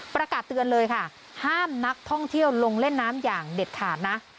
ประกาศเตือนเลยค่ะห้ามนักท่องเที่ยวลงเล่นน้ำอย่างเด็ดขาดนะ